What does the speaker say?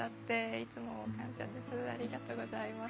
ありがとうございます。